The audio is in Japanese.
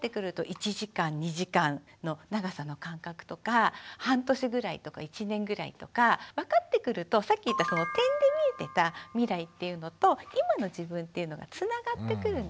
１時間２時間の長さの感覚とか半年ぐらいとか１年ぐらいとか分かってくるとさっき言った点で見えてた未来っていうのと今の自分っていうのがつながってくるんですね。